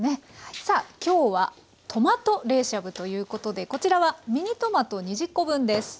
さあ今日はトマト冷しゃぶということでこちらはミニトマト２０コ分です。